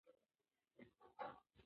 د ښوونځي په درسونو کې ورسره مرسته وکړئ.